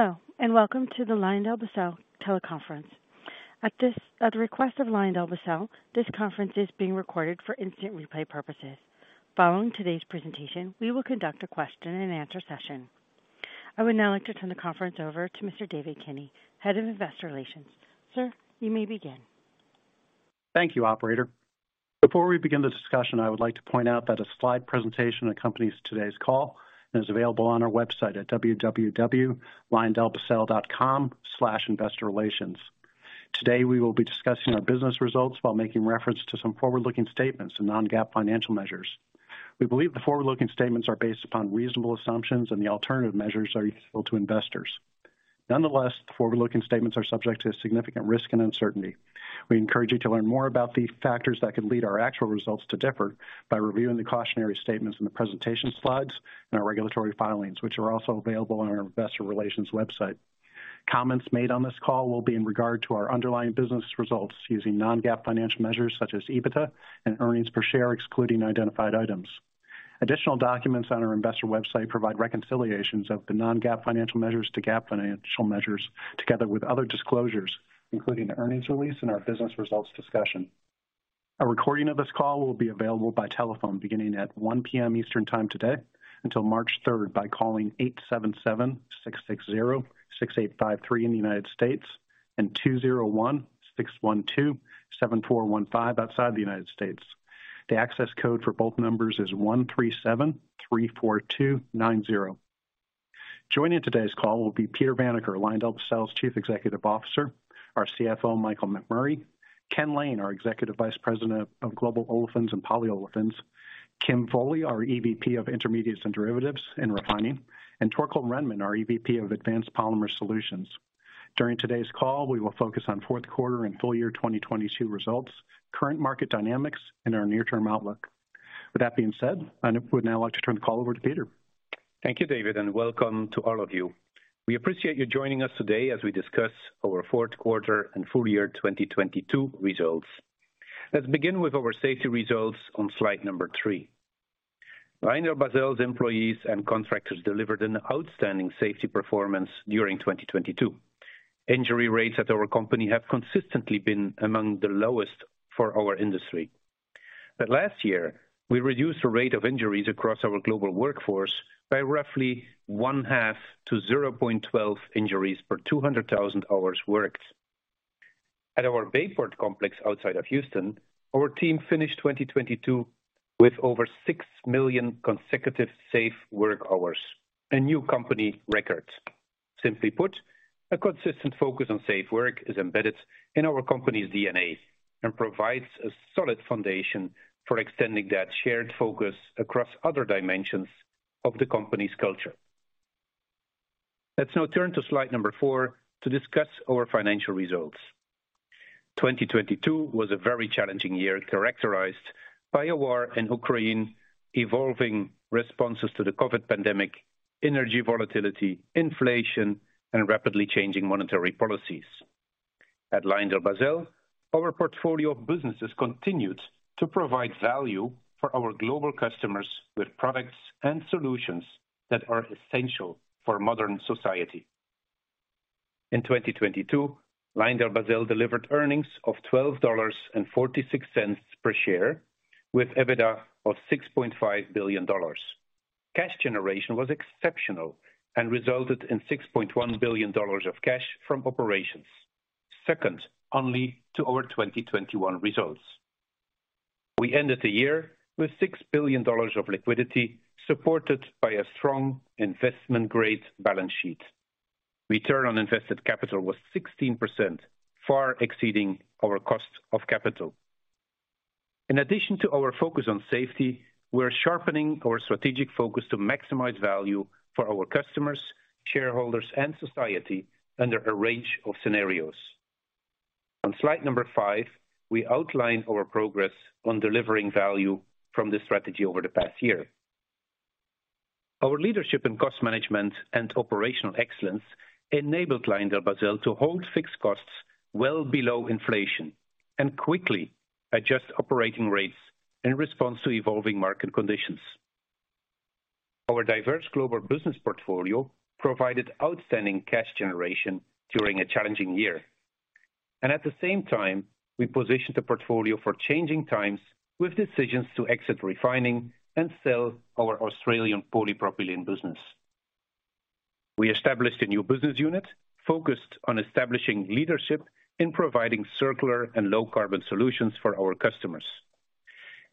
Hello, welcome to the LyondellBasell teleconference. At the request of LyondellBasell, this conference is being recorded for instant replay purposes. Following today's presentation, we will conduct a question-and-answer session. I would now like to turn the conference over to Mr. David Kinney, Head of Investor Relations. Sir, you may begin. Thank you, operator. Before we begin the discussion, I would like to point out that a slide presentation accompanies today's call and is available on our website at www.lyondellbasell.com/investorrelations. Today, we will be discussing our business results while making reference to some forward-looking statements and non-GAAP financial measures. We believe the forward-looking statements are based upon reasonable assumptions and the alternative measures are useful to investors. Nonetheless, the forward-looking statements are subject to significant risk and uncertainty. We encourage you to learn more about the factors that could lead our actual results to differ by reviewing the cautionary statements in the presentation slides and our regulatory filings, which are also available on our investor relations website. Comments made on this call will be in regard to our underlying business results using non-GAAP financial measures such as EBITDA and earnings per share, excluding identified items. Additional documents on our investor website provide reconciliations of the non-GAAP financial measures to GAAP financial measures, together with other disclosures, including the earnings release and our business results discussion. A recording of this call will be available by telephone beginning at 1:00 P.M. Eastern Time today until March 3rd by calling 877-660-6853 in the United States and 201-612-7415 outside the United States. The access code for both numbers is 13734290. Joining today's call will be Peter Vanacker, LyondellBasell's Chief Executive Officer, our CFO, Michael McMurray, Ken Lane, our Executive Vice President of Global Olefins and Polyolefins, Kim Foley, our EVP of Intermediates and Derivatives in Refining, and Torkel Rhenman, our EVP of Advanced Polymer Solutions. During today's call, we will focus on fourth quarter and full year 2022 results, current market dynamics and our near-term outlook. With that being said, I would now like to turn the call over to Peter. Thank you, David, and welcome to all of you. We appreciate you joining us today as we discuss our fourth quarter and full year 2022 results. Let's begin with our safety results on slide number three. LyondellBasell's employees and contractors delivered an outstanding safety performance during 2022. Injury rates at our company have consistently been among the lowest for our industry. Last year, we reduced the rate of injuries across our global workforce by roughly 1.5-0.12 injuries per 200,000 hours worked. At our Bayport Complex outside of Houston, our team finished 2022 with over six million consecutive safe work hours, a new company record. Simply put, a consistent focus on safe work is embedded in our company's DNA and provides a solid foundation for extending that shared focus across other dimensions of the company's culture. Let's now turn to slide number four to discuss our financial results. 2022 was a very challenging year, characterized by a war in Ukraine, evolving responses to the COVID pandemic, energy volatility, inflation, and rapidly changing monetary policies. At LyondellBasell, our portfolio of businesses continued to provide value for our global customers with products and solutions that are essential for modern society. In 2022, LyondellBasell delivered earnings of $12.46 per share, with EBITDA of $6.5 billion. Cash generation was exceptional and resulted in $6.1 billion of cash from operations, second only to our 2021 results. We ended the year with $6 billion of liquidity, supported by a strong investment-grade balance sheet. Return on invested capital was 16%, far exceeding our cost of capital. In addition to our focus on safety, we're sharpening our strategic focus to maximize value for our customers, shareholders and society under a range of scenarios. On slide number five, we outline our progress on delivering value from this strategy over the past year. Our leadership in cost management and operational excellence enabled LyondellBasell to hold fixed costs well below inflation and quickly adjust operating rates in response to evolving market conditions. Our diverse global business portfolio provided outstanding cash generation during a challenging year, and at the same time, we positioned the portfolio for changing times with decisions to exit refining and sell our Australian polypropylene business. We established a new business unit focused on establishing leadership in providing circular and low-carbon solutions for our customers.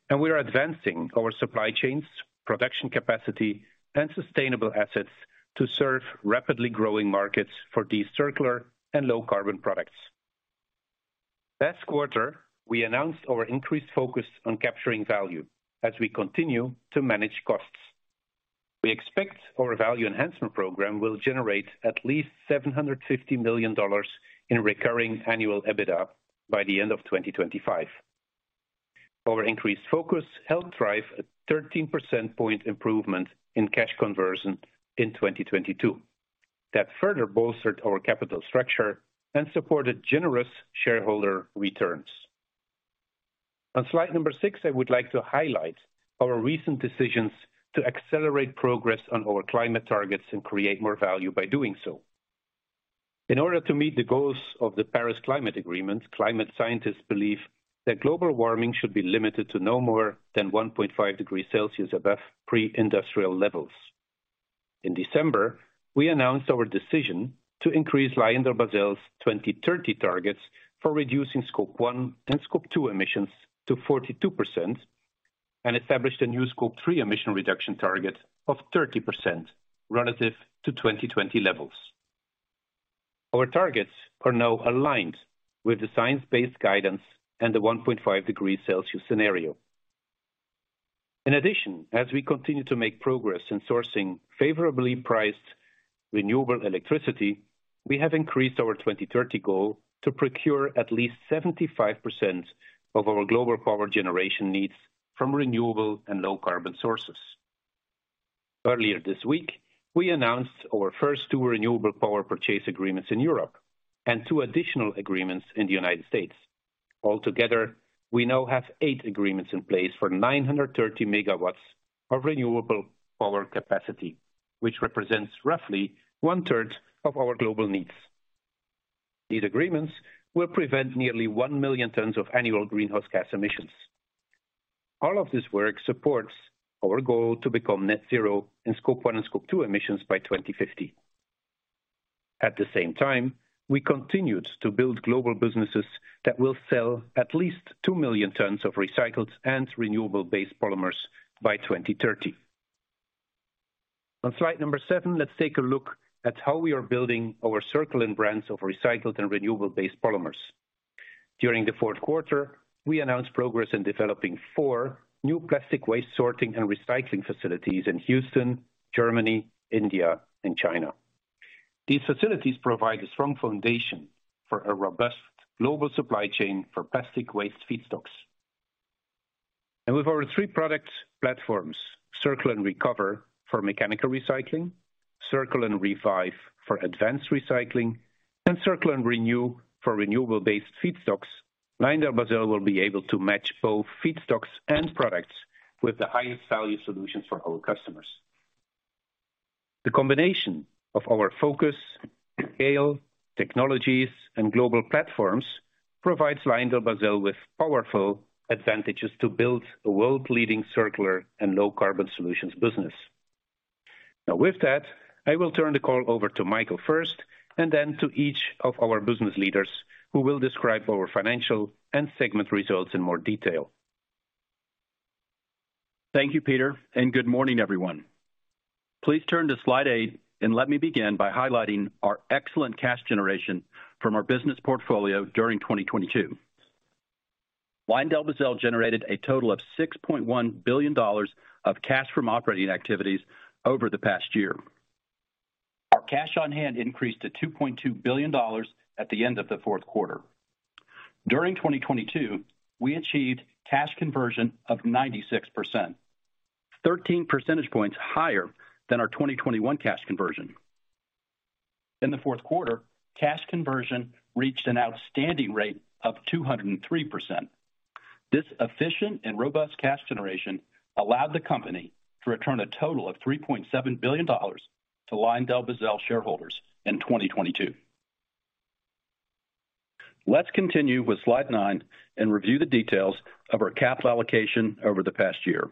And we are advancing our supply chains, production capacity and sustainable assets to serve rapidly growing markets for these circular and low-carbon products. Last quarter, we announced our increased focus on capturing value as we continue to manage costs. We expect our value enhancement program will generate at least $750 million in recurring annual EBITDA by the end of 2025. Our increased focus helped drive a 13 percentage point improvement in cash conversion in 2022. Further bolstered our capital structure and supported generous shareholder returns. On slide number six, I would like to highlight our recent decisions to accelerate progress on our climate targets and create more value by doing so. In order to meet the goals of the Paris Agreement, climate scientists believe that global warming should be limited to no more than 1.5 degrees Celsius above pre-industrial levels. In December, we announced our decision to increase LyondellBasell's 2030 targets for reducing scope one and scope two emissions to 42% and established a new scope three emission reduction target of 30% relative to 2020 levels. Our targets are now aligned with the science-based guidance and the 1.5 degrees Celsius scenario. In addition, as we continue to make progress in sourcing favorably priced renewable electricity, we have increased our 2030 goal to procure at least 75% of our global power generation needs from renewable and low carbon sources. Earlier this week, we announced our first two renewable power purchase agreements in Europe and two additional agreements in the United States. Altogether, we now have eight agreements in place for 930 megawatts of renewable power capacity, which represents roughly 1/3 of our global needs. These agreements will prevent nearly one million tons of annual greenhouse gas emissions. All of this work supports our goal to become net zero in scope one and scope two emissions by 2050. We continued to build global businesses that will sell at least two million tons of recycled and renewable-based polymers by 2030. On slide number seven, let's take a look at how we are building our circular brands of recycled and renewable-based polymers. During the fourth quarter, we announced progress in developing four new plastic waste sorting and recycling facilities in Houston, Germany, India and China. These facilities provide a strong foundation for a robust global supply chain for plastic waste feedstocks. With our three product platforms, CirculenRecover for mechanical recycling, CirculenRevive for advanced recycling, and CirculenRenew for renewable-based feedstocks, LyondellBasell will be able to match both feedstocks and products with the highest value solutions for our customers. The combination of our focus, scale, technologies, and global platforms provides LyondellBasell with powerful advantages to build a world-leading circular and low-carbon solutions business. With that, I will turn the call over to Michael first and then to each of our business leaders who will describe our financial and segment results in more detail. Thank you, Peter. Good morning, everyone. Please turn to slide eight. Let me begin by highlighting our excellent cash generation from our business portfolio during 2022. LyondellBasell generated a total of $6.1 billion of cash from operating activities over the past year. Our cash on hand increased to $2.2 billion at the end of the fourth quarter. During 2022, we achieved cash conversion of 96%, 13 percentage points higher than our 2021 cash conversion. In the fourth quarter, cash conversion reached an outstanding rate of 203%. This efficient and robust cash generation allowed the company to return a total of $3.7 billion to LyondellBasell shareholders in 2022. Let's continue with slide nine. Review the details of our capital allocation over the past year.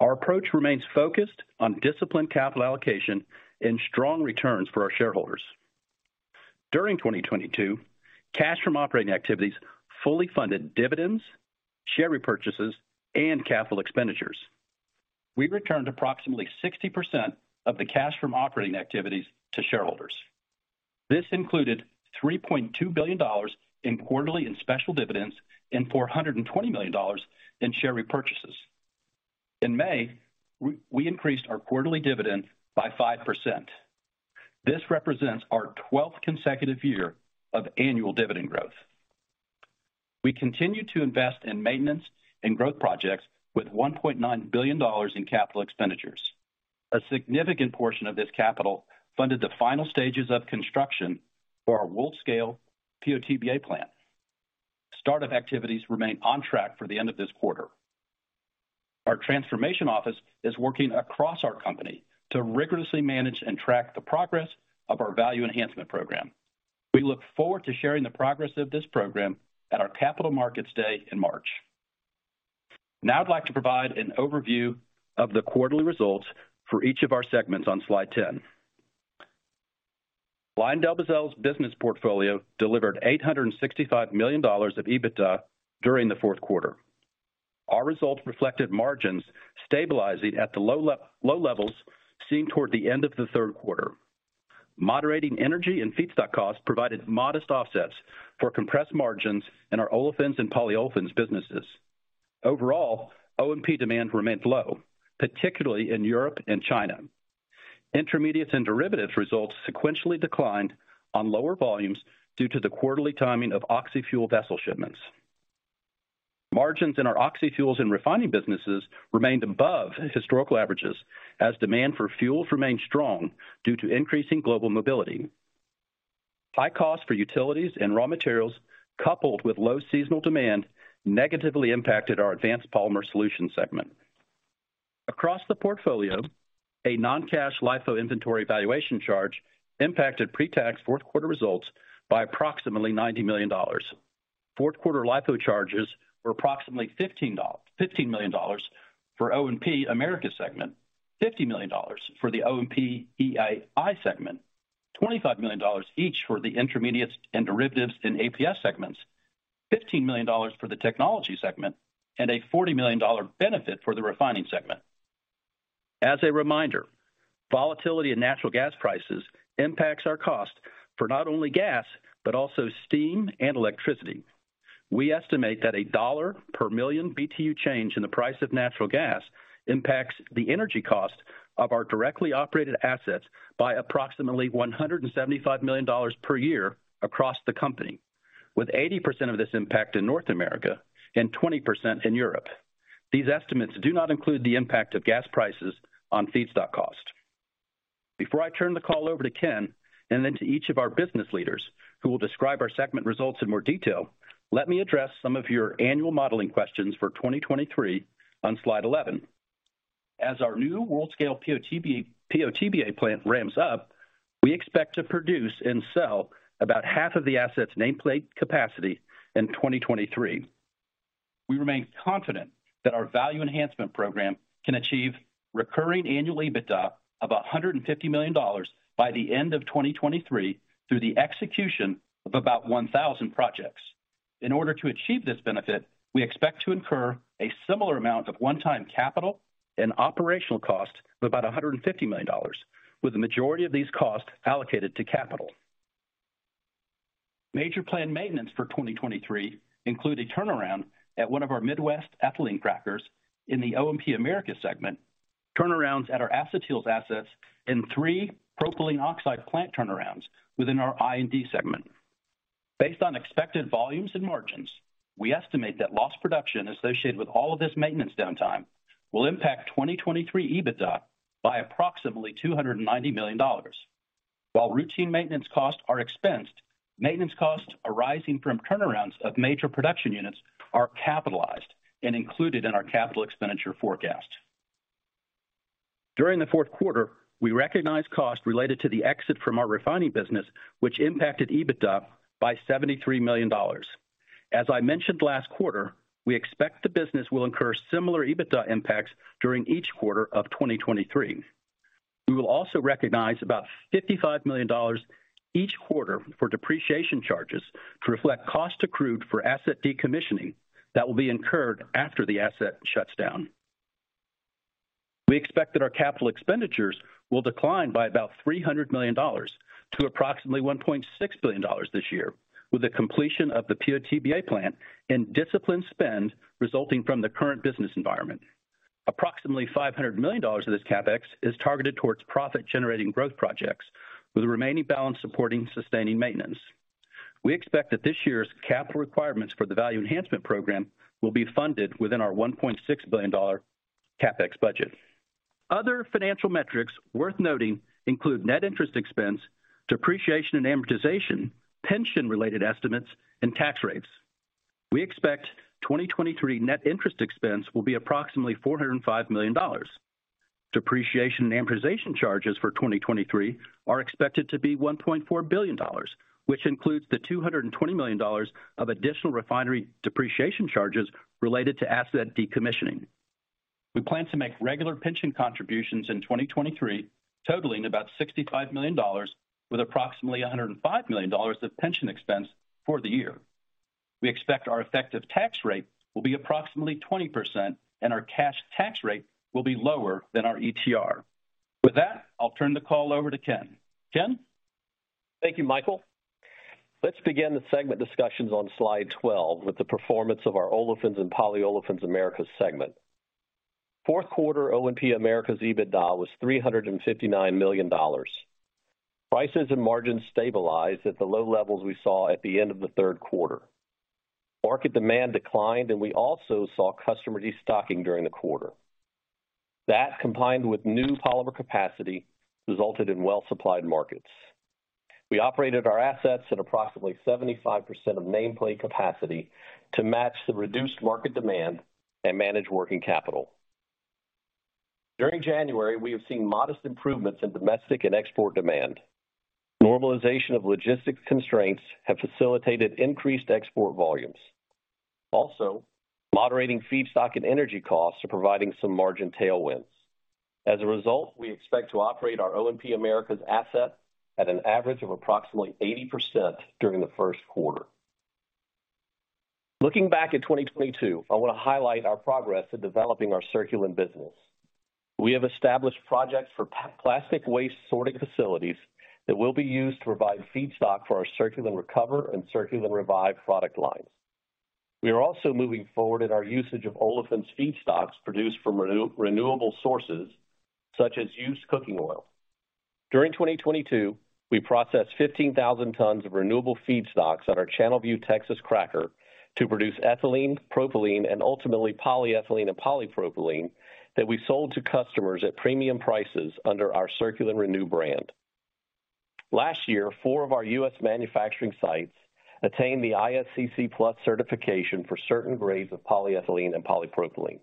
Our approach remains focused on disciplined capital allocation and strong returns for our shareholders. During 2022, cash from operating activities fully funded dividends, share repurchases, and capital expenditures. We returned approximately 60% of the cash from operating activities to shareholders. This included $3.2 billion in quarterly and special dividends and $420 million in share repurchases. In May, we increased our quarterly dividend by 5%. This represents our 12th consecutive year of annual dividend growth. We continue to invest in maintenance and growth projects with $1.9 billion in capital expenditures. A significant portion of this capital funded the final stages of construction for our world scale PO/TBA plant. Startup activities remain on track for the end of this quarter. Our transformation office is working across our company to rigorously manage and track the progress of our value enhancement program. We look forward to sharing the progress of this program at our Capital Markets Day in March. I'd like to provide an overview of the quarterly results for each of our segments on slide 10. LyondellBasell's business portfolio delivered $865 million of EBITDA during the fourth quarter. Our results reflected margins stabilizing at the low levels seen toward the end of the third quarter. Moderating energy and feedstock costs provided modest offsets for compressed margins in our olefins and polyolefins businesses. Overall, OMP demand remained low, particularly in Europe and China. Intermediates & Derivatives results sequentially declined on lower volumes due to the quarterly timing of oxy-fuel vessel shipments. Margins in our oxy-fuels and refining businesses remained above historical averages as demand for fuels remained strong due to increasing global mobility. High costs for utilities and raw materials, coupled with low seasonal demand, negatively impacted our Advanced Polymer Solutions segment. Across the portfolio, a non-cash LIFO inventory valuation charge impacted pre-tax fourth quarter results by approximately $90 million. Fourth quarter LIFO charges were approximately $15 million for O&P-Americas segment, $50 million for the O&P-EAI segment, $25 million each for the Intermediates and Derivatives and APS segments, $15 million for the Technology segment, and a $40 million benefit for the Refining segment. As a reminder, volatility in natural gas prices impacts our cost for not only gas, but also steam and electricity. We estimate that a $1 per million BTU change in the price of natural gas impacts the energy cost of our directly operated assets by approximately $175 million per year across the company, with 80% of this impact in North America and 20% in Europe. These estimates do not include the impact of gas prices on feedstock cost. Before I turn the call over to Ken and then to each of our business leaders who will describe our segment results in more detail, let me address some of your annual modeling questions for 2023 on slide 11. As our new world-scale PO/TBA plant ramps up, we expect to produce and sell about half of the asset's nameplate capacity in 2023. We remain confident that our value enhancement program can achieve recurring annual EBITDA of $150 million by the end of 2023 through the execution of about 1,000 projects. In order to achieve this benefit, we expect to incur a similar amount of one-time capital and operational costs of about $150 million, with the majority of these costs allocated to capital. Major planned maintenance for 2023 include a turnaround at one of our Midwest ethylene crackers in the O&P-Americas segment, turnarounds at our acetyls assets, and 3 propylene oxide plant turnarounds within our I&D segment. Based on expected volumes and margins, we estimate that lost production associated with all of this maintenance downtime will impact 2023 EBITDA by approximately $290 million. While routine maintenance costs are expensed, maintenance costs arising from turnarounds of major production units are capitalized and included in our capital expenditure forecast. During the fourth quarter, we recognized costs related to the exit from our refining business, which impacted EBITDA by $73 million. As I mentioned last quarter, we expect the business will incur similar EBITDA impacts during each quarter of 2023. We will also recognize about $55 million each quarter for depreciation charges to reflect costs accrued for asset decommissioning that will be incurred after the asset shuts down. We expect that our capital expenditures will decline by about $300 million to approximately $1.6 billion this year, with the completion of the PO/TBA plant and disciplined spend resulting from the current business environment. Approximately $500 million of this CapEx is targeted towards profit-generating growth projects, with the remaining balance supporting sustaining maintenance. We expect that this year's capital requirements for the value enhancement program will be funded within our $1.6 billion CapEx budget. Other financial metrics worth noting include net interest expense, depreciation and amortization, pension-related estimates, and tax rates. We expect 2023 net interest expense will be approximately $405 million. Depreciation and amortization charges for 2023 are expected to be $1.4 billion, which includes the $220 million of additional refinery depreciation charges related to asset decommissioning. We plan to make regular pension contributions in 2023 totaling about $65 million, with approximately $105 million of pension expense for the year. We expect our effective tax rate will be approximately 20%, and our cash tax rate will be lower than our ETR. With that, I'll turn the call over to Ken. Ken? Thank you, Michael. Let's begin the segment discussions on slide 12 with the performance of our Olefins and Polyolefins Americas segment. Fourth quarter OMP Americas EBITDA was $359 million. Prices and margins stabilized at the low levels we saw at the end of the third quarter. Market demand declined, we also saw customer destocking during the quarter. That, combined with new polymer capacity, resulted in well-supplied markets. We operated our assets at approximately 75% of nameplate capacity to match the reduced market demand and manage working capital. During January, we have seen modest improvements in domestic and export demand. Normalization of logistics constraints have facilitated increased export volumes. Moderating feedstock and energy costs are providing some margin tailwinds. We expect to operate our OMP Americas assets at an average of approximately 80% during the first quarter. Looking back at 2022, I want to highlight our progress in developing our Circulen business. We have established projects for plastic waste sorting facilities that will be used to provide feedstock for our CirculenRecover and CirculenRevive product lines. We are also moving forward in our usage of olefins feedstocks produced from renewable sources such as used cooking oil. During 2022, we processed 15,000 tons of renewable feedstocks at our Channelview, Texas cracker to produce ethylene, propylene, and ultimately polyethylene and polypropylene that we sold to customers at premium prices under our CirculenRenew brand. Last year, four of our U.S. manufacturing sites attained the ISCC PLUS certification for certain grades of polyethylene and polypropylene.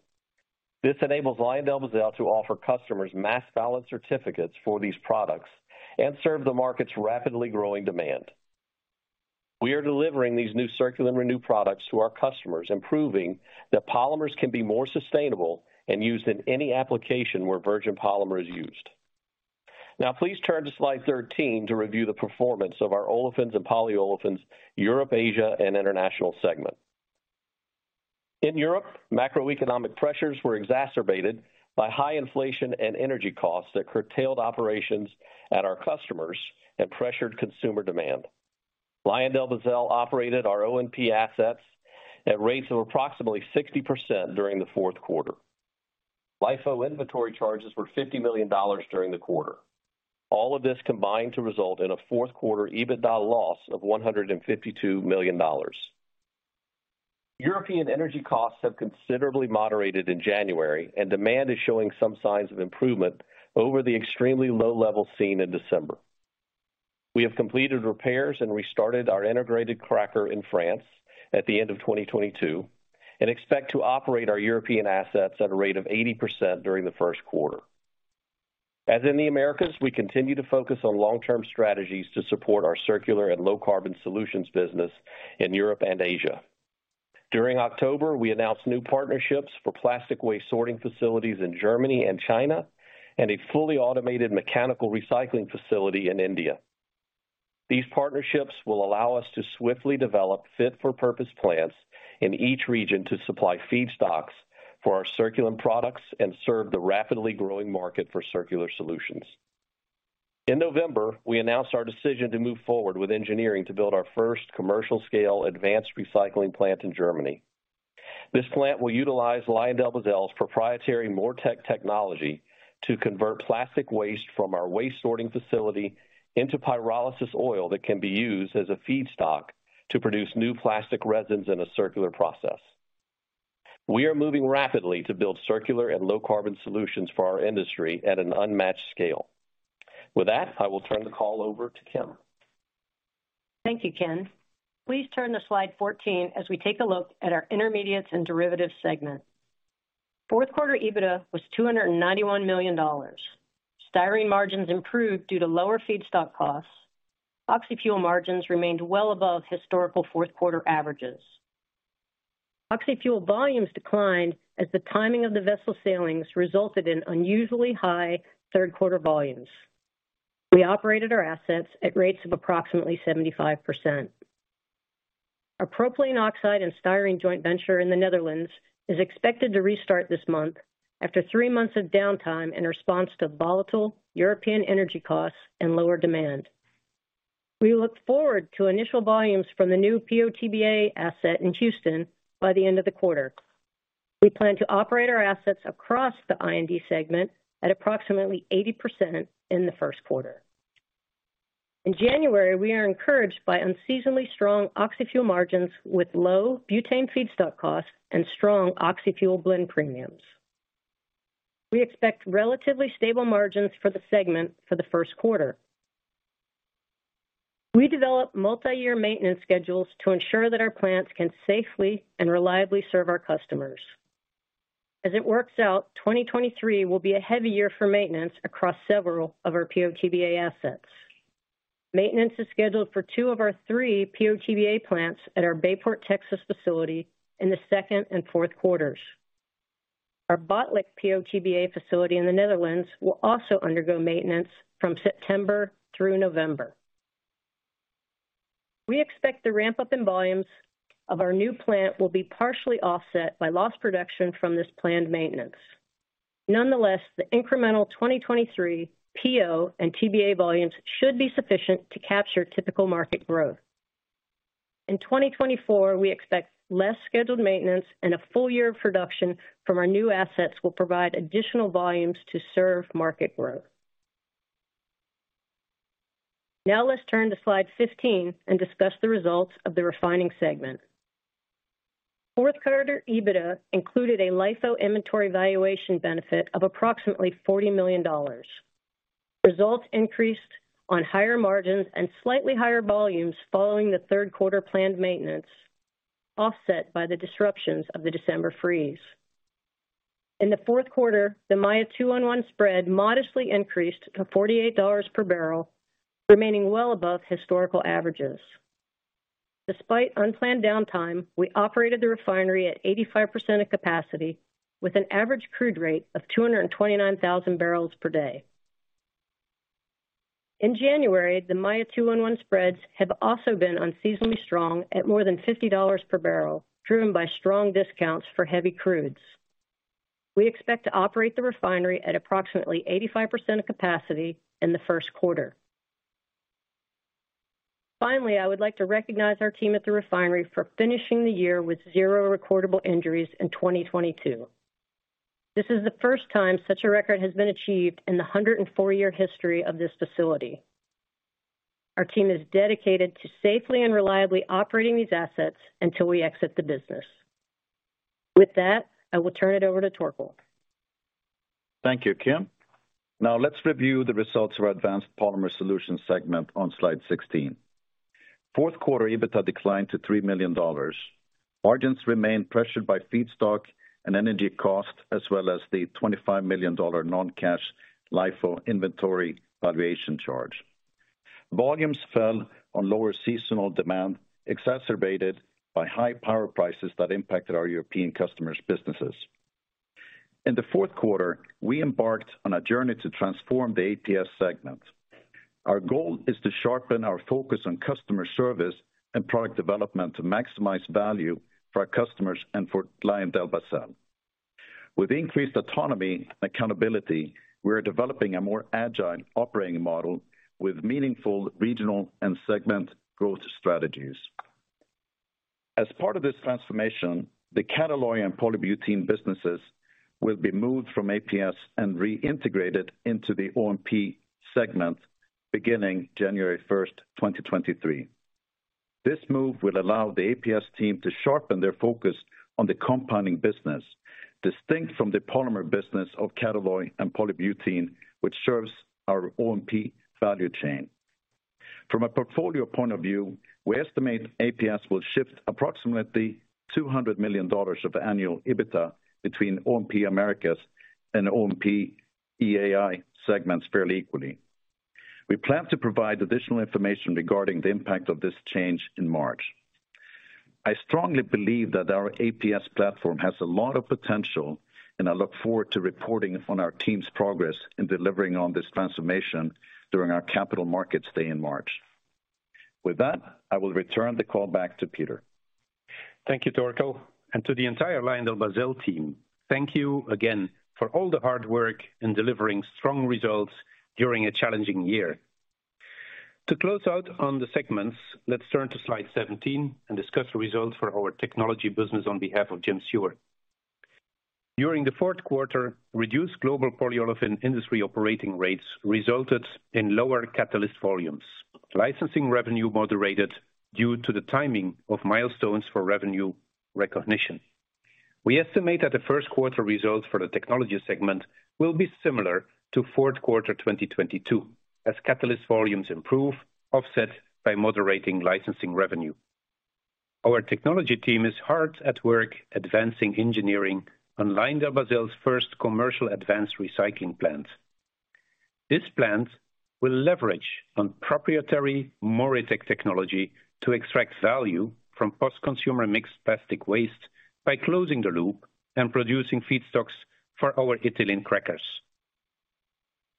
This enables LyondellBasell to offer customers mass balance certificates for these products and serve the market's rapidly growing demand. We are delivering these new circular and renew products to our customers, proving that polymers can be more sustainable and used in any application where virgin polymer is used. Please turn to slide 13 to review the performance of our Olefins and Polyolefins–Europe, Asia, and International segment. In Europe, macroeconomic pressures were exacerbated by high inflation and energy costs that curtailed operations at our customers and pressured consumer demand. LyondellBasell operated our O&P assets at rates of approximately 60% during the fourth quarter. LIFO inventory charges were $50 million during the quarter. All of this combined to result in a fourth quarter EBITDA loss of $152 million. European energy costs have considerably moderated in January, demand is showing some signs of improvement over the extremely low level seen in December. We have completed repairs and restarted our integrated cracker in France at the end of 2022. We expect to operate our European assets at a rate of 80% during the first quarter. As in the Americas, we continue to focus on long-term strategies to support our circular and low carbon solutions business in Europe and Asia. During October, we announced new partnerships for plastic waste sorting facilities in Germany and China, and a fully automated mechanical recycling facility in India. These partnerships will allow us to swiftly develop fit for purpose plants in each region to supply feedstocks for our circular products and serve the rapidly growing market for circular solutions. In November, we announced our decision to move forward with engineering to build our first commercial scale advanced recycling plant in Germany. This plant will utilize LyondellBasell's proprietary MoReTec technology to convert plastic waste from our waste sorting facility into pyrolysis oil that can be used as a feedstock to produce new plastic resins in a circular process. We are moving rapidly to build circular and low carbon solutions for our industry at an unmatched scale. With that, I will turn the call over to Kim. Thank you, Ken. Please turn to slide 14 as we take a look at our Intermediates & Derivatives segment. Fourth quarter EBITDA was $291 million. Styrene margins improved due to lower feedstock costs. Oxyfuel margins remained well above historical fourth quarter averages. Oxyfuel volumes declined as the timing of the vessel sailings resulted in unusually high third quarter volumes. We operated our assets at rates of approximately 75%. Our Propylene Oxide and styrene joint venture in the Netherlands is expected to restart this month after three months of downtime in response to volatile European energy costs and lower demand. We look forward to initial volumes from the new PO/TBA asset in Houston by the end of the quarter. We plan to operate our assets across the IND segment at approximately 80% in the first quarter. In January, we are encouraged by unseasonably strong oxyfuel margins with low butane feedstock costs and strong oxyfuel blend premiums. We expect relatively stable margins for the segment for the first quarter. We develop multi-year maintenance schedules to ensure that our plants can safely and reliably serve our customers. As it works out, 2023 will be a heavy year for maintenance across several of our PO/TBA assets. Maintenance is scheduled for two of our three PO/TBA plants at our Bayport, Texas facility in the second and fourth quarters. Our Botlek PO/TBA facility in the Netherlands will also undergo maintenance from September through November. We expect the ramp up in volumes of our new plant will be partially offset by lost production from this planned maintenance. Nonetheless, the incremental 2023 PO and TBA volumes should be sufficient to capture typical market growth. In 2024, we expect less scheduled maintenance and a full year of production from our new assets will provide additional volumes to serve market growth. Let's turn to slide 15 and discuss the results of the refining segment. Fourth quarter EBITDA included a LIFO inventory valuation benefit of approximately $40 million. Results increased on higher margins and slightly higher volumes following the third quarter planned maintenance, offset by the disruptions of the December freeze. In the fourth quarter, the Maya 2-1-1 spread modestly increased to $48 per barrel, remaining well above historical averages. Despite unplanned downtime, we operated the refinery at 85% of capacity with an average crude rate of 229,000 barrels per day. In January, the Maya 2-1-1 spreads have also been unseasonably strong at more than $50 per barrel, driven by strong discounts for heavy crudes. We expect to operate the refinery at approximately 85% of capacity in the first quarter. Finally, I would like to recognize our team at the refinery for finishing the year with zero recordable injuries in 2022. This is the first time such a record has been achieved in the 104-year history of this facility. Our team is dedicated to safely and reliably operating these assets until we exit the business. With that, I will turn it over to Torkel. Thank you, Kim. Now let's review the results of our Advanced Polymer Solutions segment on slide 16. Fourth quarter EBITDA declined to $3 million. Margins remained pressured by feedstock and energy cost, as well as the $25 million non-cash LIFO inventory valuation charge. Volumes fell on lower seasonal demand, exacerbated by high power prices that impacted our European customers' businesses. In the fourth quarter, we embarked on a journey to transform the APS segment. Our goal is to sharpen our focus on customer service and product development to maximize value for our customers and for LyondellBasell. With increased autonomy and accountability, we are developing a more agile operating model with meaningful regional and segment growth strategies. As part of this transformation, the Catalloy and polybutene businesses will be moved from APS and reintegrated into the OMP segment beginning January 1st, 2023. This move will allow the APS team to sharpen their focus on the compounding business, distinct from the polymer business of Catalloy and polybutene, which serves our OMP value chain. From a portfolio point of view, we estimate APS will shift approximately $200 million of annual EBITDA between O&P-Americas and O&P-EAI segments fairly equally. We plan to provide additional information regarding the impact of this change in March. I strongly believe that our APS platform has a lot of potential, I look forward to reporting on our team's progress in delivering on this transformation during our capital markets day in March. With that, I will return the call back to Peter. Thank you, Torkel. To the entire LyondellBasell team, thank you again for all the hard work in delivering strong results during a challenging year. To close out on the segments, let's turn to slide 17 and discuss the results for our technology business on behalf of Jim Seward. During the fourth quarter, reduced global polyolefin industry operating rates resulted in lower catalyst volumes. Licensing revenue moderated due to the timing of milestones for revenue recognition. We estimate that the first quarter results for the technology segment will be similar to fourth quarter 2022, as catalyst volumes improve, offset by moderating licensing revenue. Our technology team is hard at work advancing engineering on LyondellBasell's first commercial advanced recycling plant. This plant will leverage on proprietary MoReTec technology to extract value from post-consumer mixed plastic waste by closing the loop and producing feedstocks for our ethylene crackers.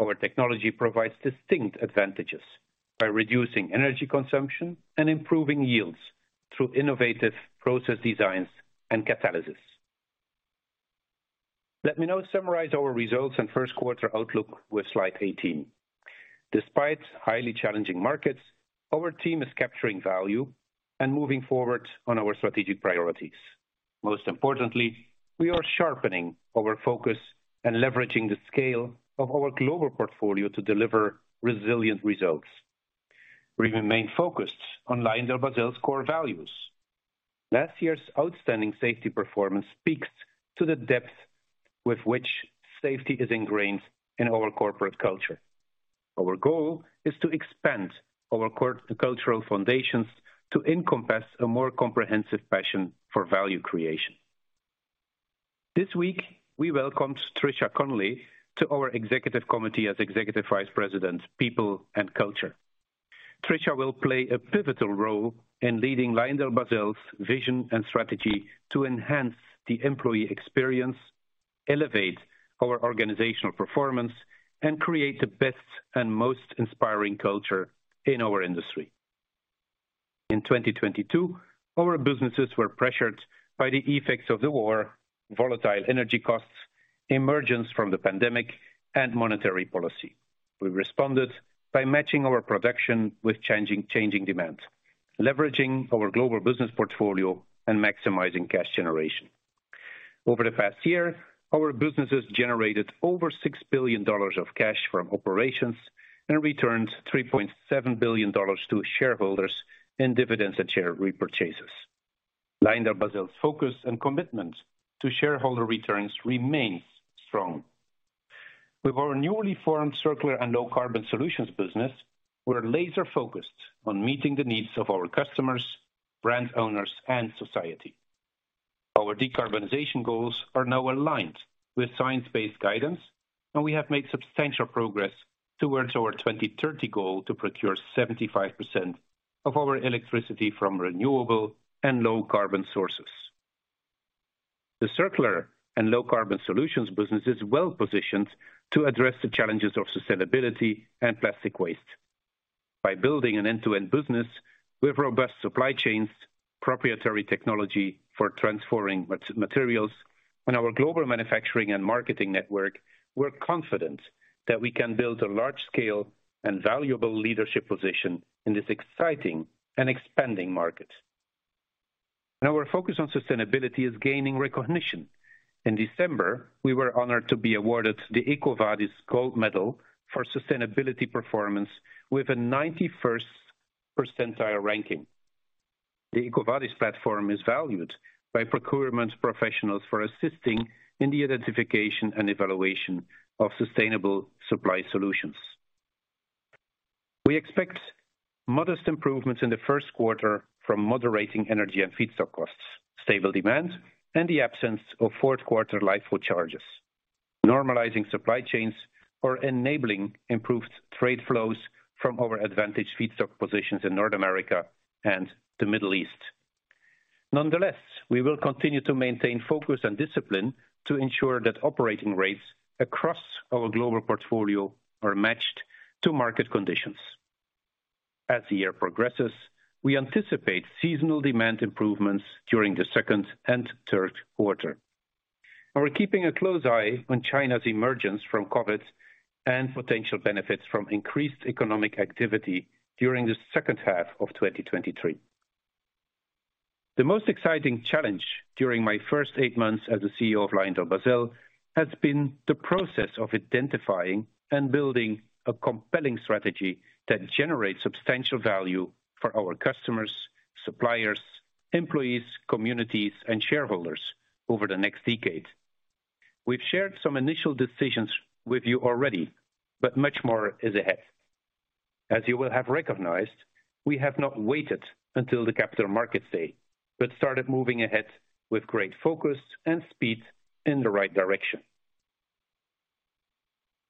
Our technology provides distinct advantages by reducing energy consumption and improving yields through innovative process designs and catalysis. Let me now summarize our results and first quarter outlook with slide 18. Despite highly challenging markets, our team is capturing value and moving forward on our strategic priorities. We are sharpening our focus and leveraging the scale of our global portfolio to deliver resilient results. We remain focused on LyondellBasell's core values. Last year's outstanding safety performance speaks to the depth with which safety is ingrained in our corporate culture. Our goal is to expand our cultural foundations to encompass a more comprehensive passion for value creation. This week, we welcomed Trisha Conley to our executive committee as Executive Vice President, People and Culture. Trisha will play a pivotal role in leading LyondellBasell's vision and strategy to enhance the employee experience, elevate our organizational performance, and create the best and most inspiring culture in our industry. In 2022, our businesses were pressured by the effects of the war, volatile energy costs, emergence from the pandemic, and monetary policy. We responded by matching our production with changing demand, leveraging our global business portfolio and maximizing cash generation. Over the past year, our businesses generated over $6 billion of cash from operations and returned $3.7 billion to shareholders in dividends and share repurchases. LyondellBasell's focus and commitment to shareholder returns remains strong. With our newly formed Circular and Low Carbon Solutions business, we're laser-focused on meeting the needs of our customers, brand owners, and society. Our decarbonization goals are now aligned with science-based guidance, and we have made substantial progress towards our 2030 goal to procure 75% of our electricity from renewable and low carbon sources. The Circular and Low Carbon Solutions business is well-positioned to address the challenges of sustainability and plastic waste. By building an end-to-end business with robust supply chains, proprietary technology for transforming materials, and our global manufacturing and marketing network, we're confident that we can build a large scale and valuable leadership position in this exciting and expanding market. Our focus on sustainability is gaining recognition. In December, we were honored to be awarded the EcoVadis Gold Medal for sustainability performance with a 91st percentile ranking. The EcoVadis platform is valued by procurement professionals for assisting in the identification and evaluation of sustainable supply solutions. We expect modest improvements in the first quarter from moderating energy and feedstock costs, stable demand and the absence of fourth quarter LIFO charges. Normalizing supply chains are enabling improved trade flows from our advantage feedstock positions in North America and the Middle East. Nonetheless, we will continue to maintain focus and discipline to ensure that operating rates across our global portfolio are matched to market conditions. As the year progresses, we anticipate seasonal demand improvements during the second and third quarter. We're keeping a close eye on China's emergence from COVID and potential benefits from increased economic activity during the second half of 2023. The most exciting challenge during my first eight months as the CEO of LyondellBasell has been the process of identifying and building a compelling strategy that generates substantial value for our customers, suppliers, employees, communities, and shareholders over the next decade. We've shared some initial decisions with you already, but much more is ahead. As you will have recognized, we have not waited until the Capital Markets Day, but started moving ahead with great focus and speed in the right direction.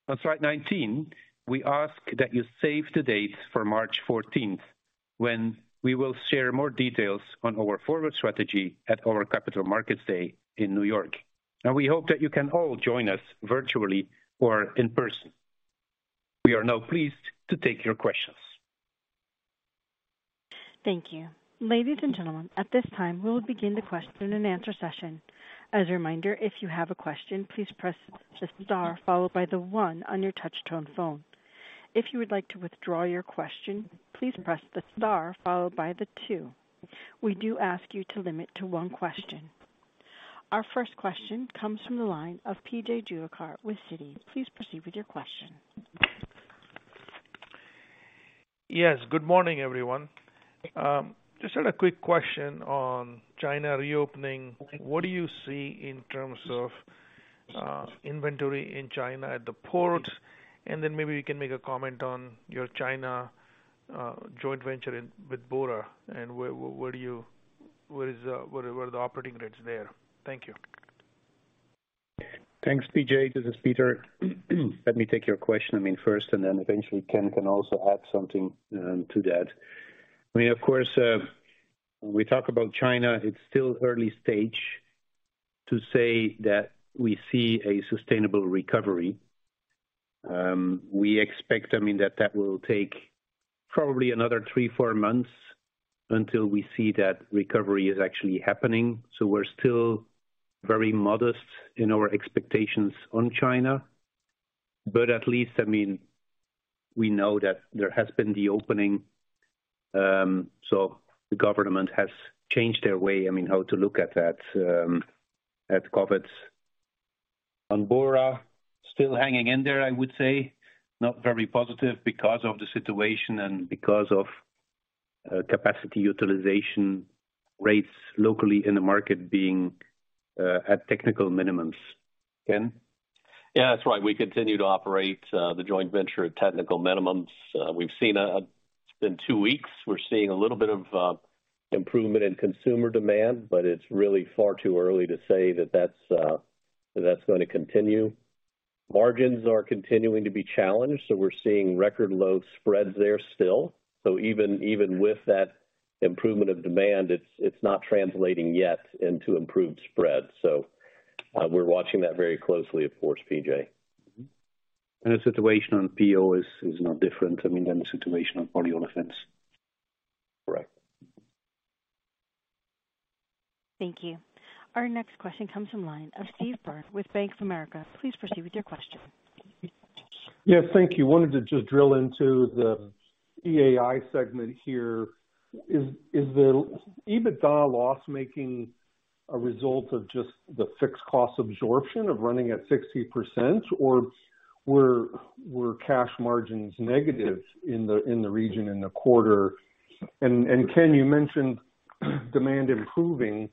On slide 19, we ask that you save the date for March 14th, when we will share more details on our forward strategy at our Capital Markets Day in New York. We hope that you can all join us virtually or in person. We are now pleased to take your questions. Thank you. Ladies and gentlemen, at this time, we will begin the question-and-answer session. As a reminder, if you have a question, please press the star followed by the one on your touch tone phone. If you would like to withdraw your question, please press the star followed by the two. We do ask you to limit to one question. Our first question comes from the line of P.J. Juvekar with Citi. Please proceed with your question. Yes. Good morning, everyone. Just had a quick question on China reopening. What do you see in terms of inventory in China at the port? Maybe you can make a comment on your China joint venture in, with Bora and where do you, where is, where are the operating rates there? Thank you. Thanks, P.J. This is Peter Vanacker. Let me take your question first, then eventually Ken Lane can also add something to that. Of course, when we talk about China, it's still early stage to say that we see a sustainable recovery. We expect that will take probably another three, four months until we see that recovery is actually happening. We're still very modest in our expectations on China. At least, we know that there has been the opening, the government has changed their way how to look at that at COVID. On Bora, still hanging in there, I would say. Not very positive because of the situation and because of capacity utilization rates locally in the market being at technical minimums. Ken?. Yeah, that's right. We continue to operate the joint venture at technical minimums. In two weeks, we're seeing a little bit of improvement in consumer demand, it's really far too early to say that that's going to continue. Margins are continuing to be challenged, we're seeing record low spreads there still. Even with that improvement of demand, it's not translating yet into improved spreads. We're watching that very closely, of course, P.J. Mm-hmm. The situation on PO is not different, I mean, than the situation on polyolefins. Correct. Thank you. Our next question comes from line of Steve Byrne with Bank of America. Please proceed with your question. Yeah, thank you. Wanted to just drill into the EAI segment here. Is the EBITDA loss making a result of just the fixed cost absorption of running at 60% or were cash margins negative in the region in the quarter? Ken, you mentioned demand improving.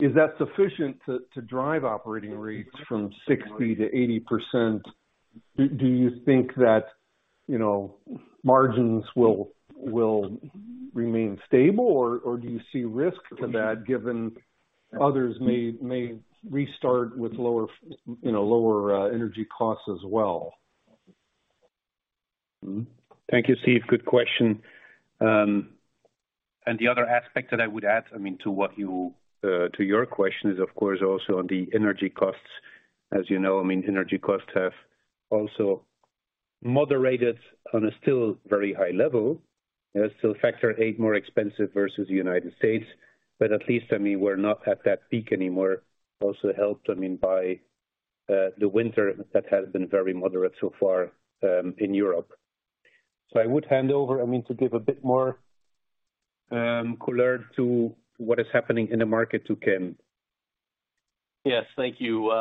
Is that sufficient to drive operating rates from 60%-80%? Do you think that, you know, margins will remain stable, or do you see risk to that given others may restart with lower, you know, lower energy costs as well? Thank you, Steve. Good question. The other aspect that I would add, I mean, to what you, to your question is, of course, also on the energy costs. As you know, I mean, energy costs have also moderated on a still very high level. They're still factor eight more expensive versus the United States, but at least, I mean, we're not at that peak anymore. Also helped, I mean, by the winter that has been very moderate so far, in Europe. I would hand over, I mean, to give a bit more color to what is happening in the market to Ken. Yes. Thank you.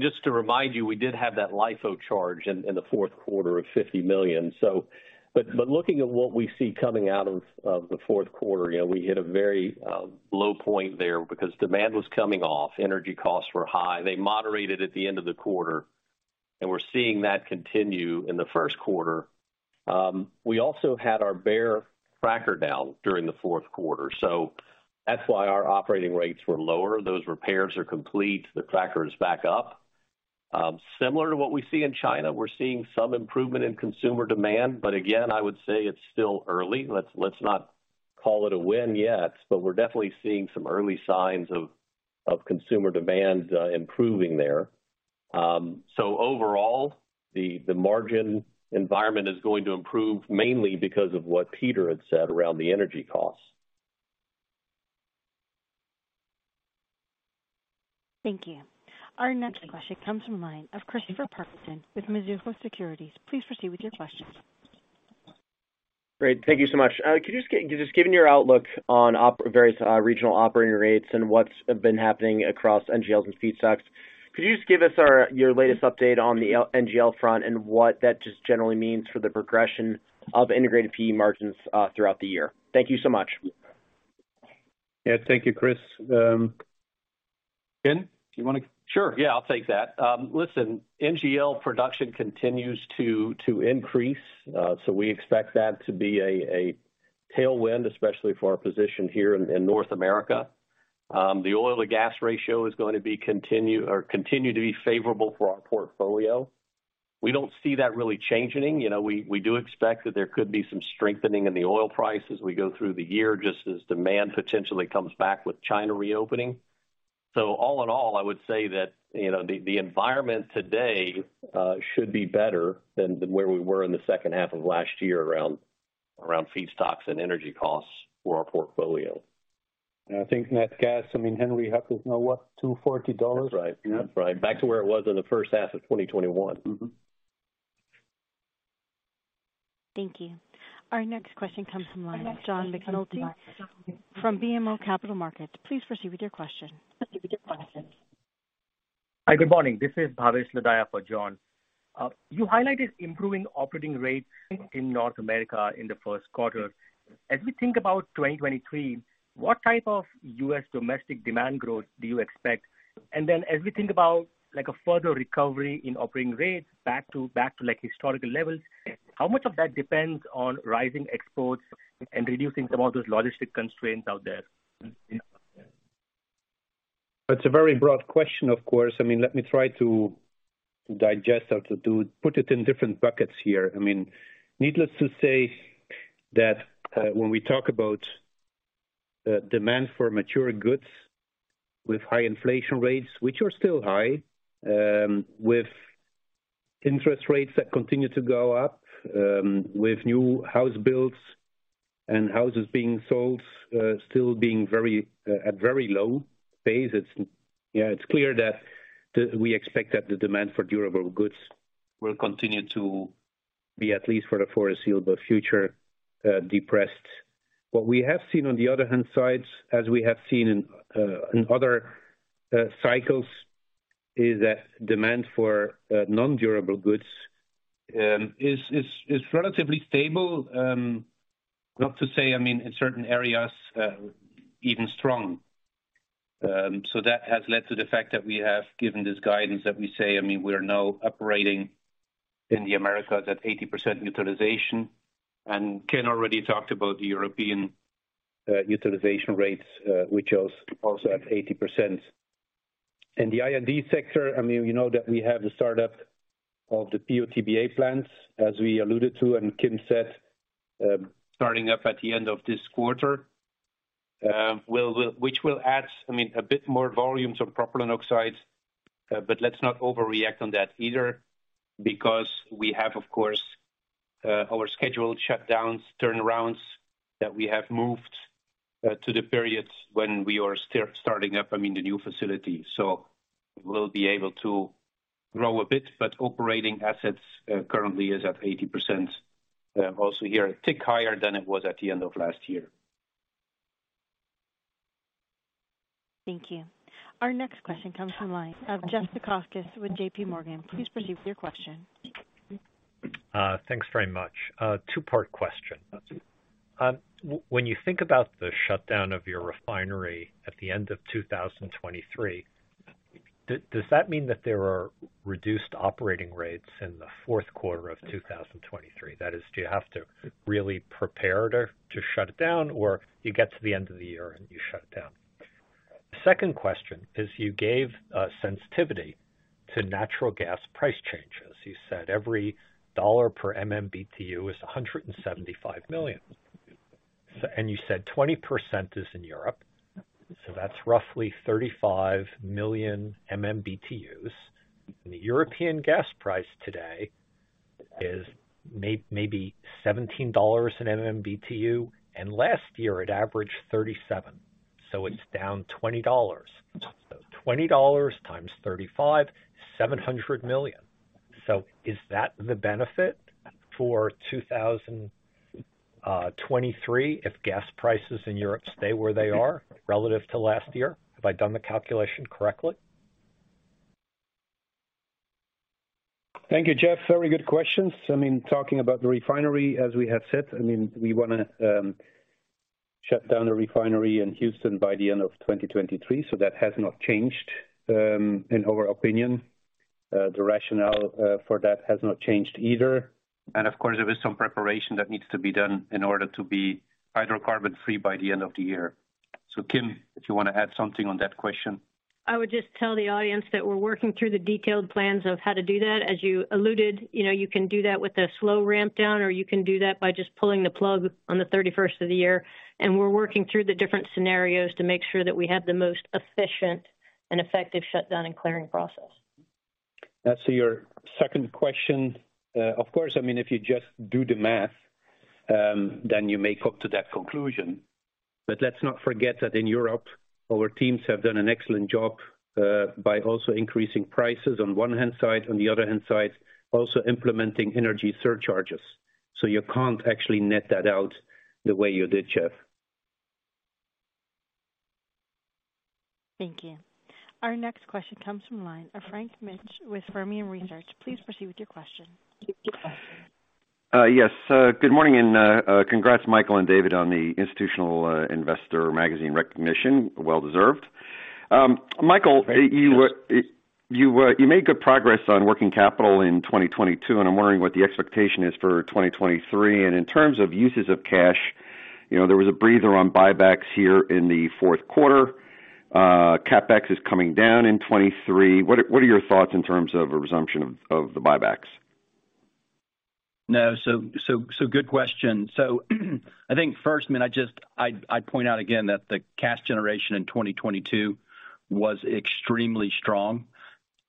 Just to remind you, we did have that LIFO charge in the fourth quarter of $50 million. But looking at what we see coming out of the fourth quarter, you know, we hit a very low point there because demand was coming off, energy costs were high. They moderated at the end of the quarter, we're seeing that continue in the first quarter. We also had our Berre cracker down during the fourth quarter, that's why our operating rates were lower. Those repairs are complete. The cracker is back up. Similar to what we see in China, we're seeing some improvement in consumer demand, again, I would say it's still early. Let's not call it a win yet, we're definitely seeing some early signs of consumer demand improving there. Overall, the margin environment is going to improve mainly because of what Peter had said around the energy costs. Thank you. Our next question comes from line of Chris Parkinson with Mizuho Securities. Please proceed with your question. Great. Thank you so much. Could you just given your outlook on various regional operating rates and what's been happening across NGLs and feedstocks, could you just give us your latest update on the NGL front and what that just generally means for the progression of integrated PE margins throughout the year? Thank you so much. Yeah, thank you, Chris. Ken. Sure. Yeah, I'll take that. listen, NGL production continues to increase, so we expect that to be a tailwind, especially for our position here in North America. The oil to gas ratio is going to continue to be favorable for our portfolio. We don't see that really changing. You know, we do expect that there could be some strengthening in the oil price as we go through the year, just as demand potentially comes back with China reopening. All in all, I would say that, you know, the environment today, should be better than where we were in the second half of last year around feedstocks and energy costs for our portfolio. I think nat gas, I mean, Henry Hub is now, what, $2.40? That's right. Yeah. That's right. Back to where it was in the first half of 2021. Mm-hmm. Thank you. Our next question comes from line of John McNulty from BMO Capital Markets. Please proceed with your question. Hi. Good morning. This is Bhavesh Lodaya for John. You highlighted improving operating rates in North America in the first quarter. As we think about 2023, what type of U.S. domestic demand growth do you expect? As we think about like a further recovery in operating rates back to like historical levels, how much of that depends on rising exports and reducing some of those logistic constraints out there? It's a very broad question, of course. I mean, let me try to digest or to put it in different buckets here. I mean, needless to say that when we talk about demand for mature goods with high inflation rates, which are still high, with interest rates that continue to go up, with new house builds and houses being sold, still being very at very low pace, it's clear that we expect that the demand for durable goods will continue to be, at least for the foreseeable future, depressed. What we have seen on the other hand sides, as we have seen in other cycles, is that demand for non-durable goods is relatively stable. Not to say, I mean, in certain areas, even strong. That has led to the fact that we have given this guidance that we say, I mean, we are now operating in the Americas at 80% utilization. Ken already talked about the European utilization rates, which is also at 80%. In the IND sector, I mean, you know that we have the startup of the PO/TBA plants, as we alluded to, and Kim said, starting up at the end of this quarter, which will add, I mean, a bit more volume to propylene oxides. Let's not overreact on that either because we have, of course, our scheduled shutdowns, turnarounds that we have moved to the periods when we are starting up, I mean, the new facility. We'll be able to grow a bit, but operating assets currently is at 80%. Also here a tick higher than it was at the end of last year. Thank you. Our next question comes from line of Jeff Zekauskas with JP Morgan. Please proceed with your question. Thanks very much. Two-part question. When you think about the shutdown of your refinery at the end of 2023, does that mean that there are reduced operating rates in the fourth quarter of 2023? That is, do you have to really prepare to shut it down, or you get to the end of the year, and you shut it down? Second question is you gave a sensitivity to natural gas price changes. You said every $1 per MMBtu is $175 million. You said 20% is in Europe, so that's roughly 35 million MMBtus. The European gas price today is maybe $17 an MMBtu, and last year it averaged $37, so it's down $20. $20 times 35, $700 million. Is that the benefit for 2023 if gas prices in Europe stay where they are relative to last year? Have I done the calculation correctly? Thank you, Jeff. Very good questions. I mean, talking about the refinery, as we have said, I mean, we wanna shut down a refinery in Houston by the end of 2023, that has not changed. In our opinion, the rationale for that has not changed either. Of course, there is some preparation that needs to be done in order to be hydrocarbon-free by the end of the year. Kim, if you wanna add something on that question. I would just tell the audience that we're working through the detailed plans of how to do that. As you alluded, you know, you can do that with a slow ramp down, or you can do that by just pulling the plug on the 31st of the year. We're working through the different scenarios to make sure that we have the most efficient and effective shutdown and clearing process. As to your second question, of course, I mean, if you just do the math, then you may come to that conclusion. Let's not forget that in Europe, our teams have done an excellent job, by also increasing prices on one hand side, on the other hand side, also implementing energy surcharges. You can't actually net that out the way you did, Jeff. Thank you. Our next question comes from line of Frank Mitsch with Fermium Research. Please proceed with your question. Yes. Good morning. Congrats, Michael and David, on the Institutional Investor magazine recognition. Well deserved. Thank you. You made good progress on working capital in 2022, and I'm wondering what the expectation is for 2023. In terms of uses of cash, you know, there was a breather on buybacks here in the fourth quarter. CapEx is coming down in 2023. What are your thoughts in terms of a resumption of the buybacks? Good question. I think first, I mean, I'd point out again that the cash generation in 2022 was extremely strong.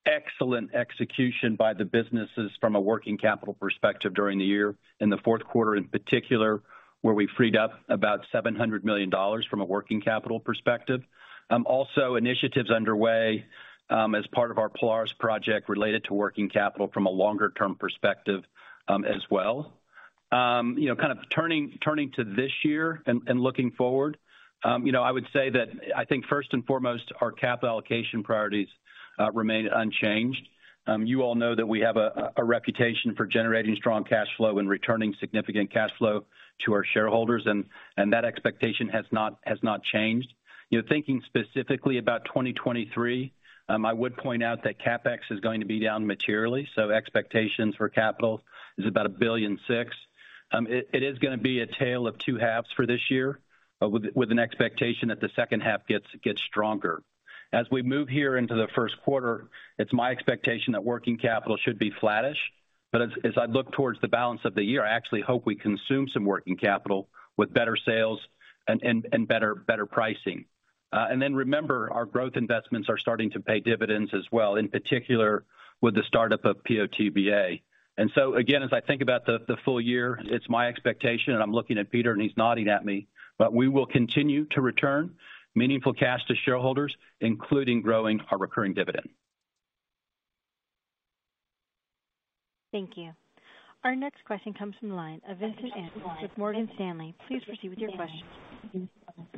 Excellent execution by the businesses from a working capital perspective during the year. In the fourth quarter in particular, where we freed up about $700 million from a working capital perspective. Also initiatives underway as part of our Polaris project related to working capital from a longer-term perspective as well. You know, kind of turning to this year and looking forward, you know, I would say that I think first and foremost, our capital allocation priorities remain unchanged. You all know that we have a reputation for generating strong cash flow and returning significant cash flow to our shareholders, and that expectation has not changed. You know, thinking specifically about 2023, I would point out that CapEx is going to be down materially. Expectations for capital is about $1.6 billion. It is gonna be a tale of two halves for this year, with an expectation that the second half gets stronger. As we move here into the first quarter, it's my expectation that working capital should be flattish, but as I look towards the balance of the year, I actually hope we consume some working capital with better sales and better pricing. Remember, our growth investments are starting to pay dividends as well, in particular with the startup of PO/TBA. Again, as I think about the full year, it's my expectation, and I'm looking at Peter and he's nodding at me, we will continue to return meaningful cash to shareholders, including growing our recurring dividend. Thank you. Our next question comes from the line of Vincent Andrews with Morgan Stanley. Please proceed with your question.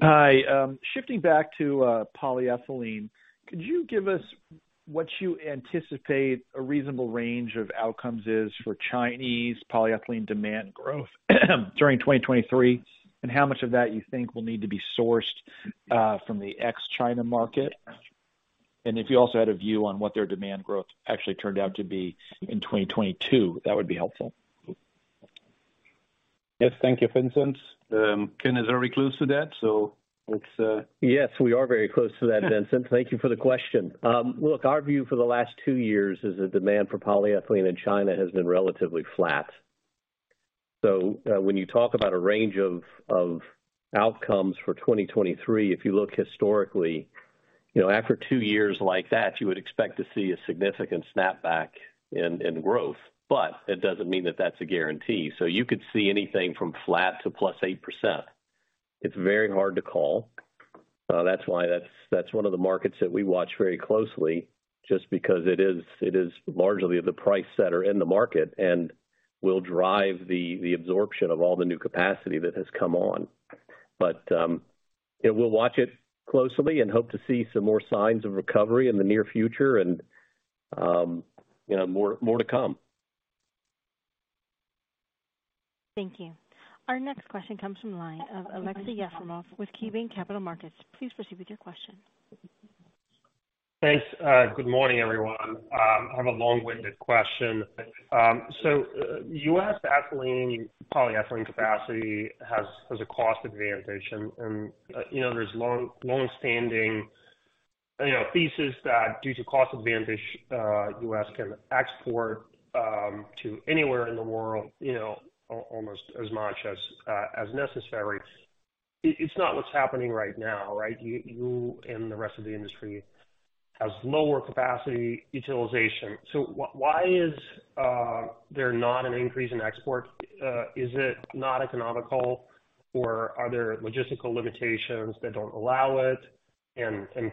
Hi. Shifting back to polyethylene, could you give us what you anticipate a reasonable range of outcomes is for Chinese polyethylene demand growth during 2023, and how much of that you think will need to be sourced from the ex-China market? If you also had a view on what their demand growth actually turned out to be in 2022, that would be helpful. Yes, thank you, Vincent. Ken is very close to that, so let's. Yes, we are very close to that, Vincent. Thank you for the question. look, our view for the last two years is the demand for polyethylene in China has been relatively flat. When you talk about a range of outcomes for 2023, if you look historically, you know, after two years like that, you would expect to see a significant snapback in growth. It doesn't mean that that's a guarantee. You could see anything from flat to +8%. It's very hard to call. That's why that's one of the markets that we watch very closely just because it is largely the price setter in the market and will drive the absorption of all the new capacity that has come on. Yeah, we'll watch it closely and hope to see some more signs of recovery in the near future and, you know, more to come. Thank you. Our next question comes from the line of Aleksey Yefremov with KeyBanc Capital Markets. Please proceed with your question. Thanks. Good morning, everyone. I have a long-winded question. So, U.S. ethylene polyethylene capacity has a cost advantage and, you know, there's long, longstanding, you know, thesis that due to cost advantage, U.S. can export to anywhere in the world, you know, almost as much as necessary. It's not what's happening right now, right? You and the rest of the industry has lower capacity utilization. Why is there not an increase in export, is it not economical or are there logistical limitations that don't allow it?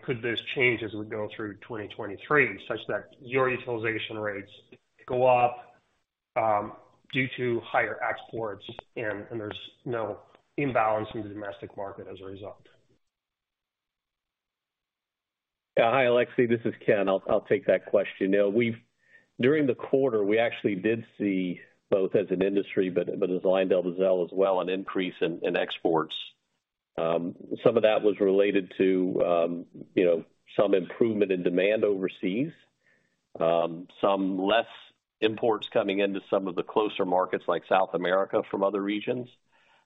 Could this change as we go through 2023 such that your utilization rates go up due to higher exports and there's no imbalance in the domestic market as a result? Hi, Aleksey, this is Ken. I'll take that question. You know, During the quarter, we actually did see both as an industry, but as LyondellBasell as well, an increase in exports. Some of that was related to, you know, some improvement in demand overseas, some less imports coming into some of the closer markets like South America from other regions.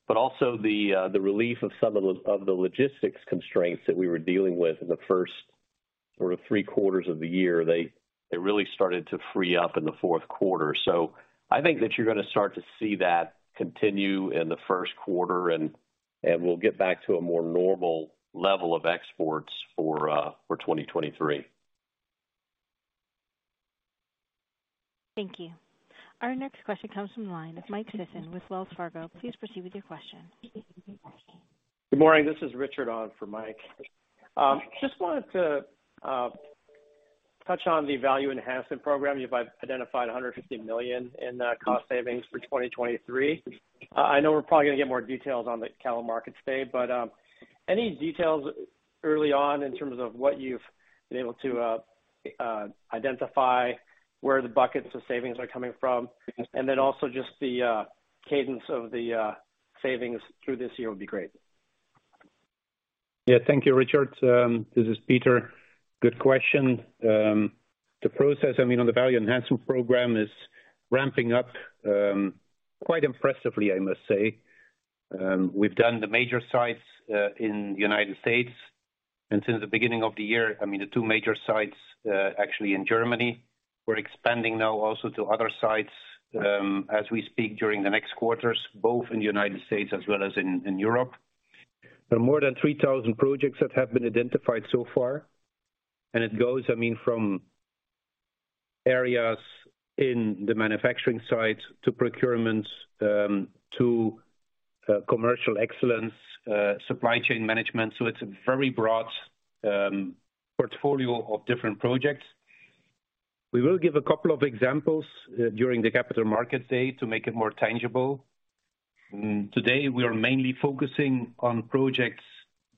Also the relief of some of the logistics constraints that we were dealing with in the first sort of three quarters of the year. They really started to free up in the fourth quarter. I think that you're gonna start to see that continue in the first quarter and we'll get back to a more normal level of exports for 2023. Thank you. Our next question comes from the line of Michael Sisson with Wells Fargo. Please proceed with your question. Good morning. This is Richard on for Mike. Just wanted to touch on the value enhancement program. You've identified $150 million in cost savings for 2023. I know we're probably gonna get more details on the capital markets day. Any details early on in terms of what you've been able to identify, where the buckets of savings are coming from, and then also just the cadence of the savings through this year would be great. Yeah. Thank you, Richard. This is Peter. Good question. The process, I mean, on the value enhancement program is ramping up quite impressively, I must say. We've done the major sites in the United States. Since the beginning of the year, I mean, the two major sites actually in Germany. We're expanding now also to other sites as we speak during the next quarters, both in the United States as well as in Europe. There are more than 3,000 projects that have been identified so far. It goes, I mean, from areas in the manufacturing sites to procurement, to commercial excellence, supply chain management. It's a very broad portfolio of different projects. We will give a couple of examples during the capital market day to make it more tangible. Today, we are mainly focusing on projects